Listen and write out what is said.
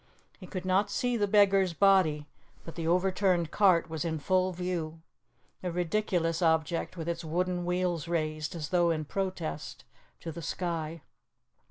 He could not see the beggar's body, but the overturned cart was in full view, a ridiculous object, with its wooden wheels raised, as though in protest, to the sky.